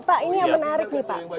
pak ini yang menarik nih pak